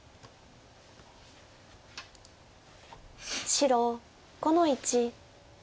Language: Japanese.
白５の一。